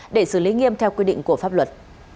để xử lý nghiêm theo quy định của pháp luật